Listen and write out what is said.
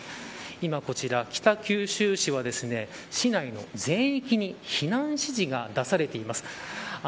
今、こちら北九州市は市内の全域に避難指示が出されています。